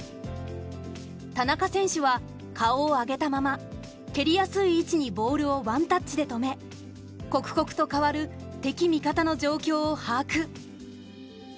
田中選手は顔を上げたまま蹴りやすい位置にボールをワンタッチで止め刻々と変わる敵味方の状況を把握。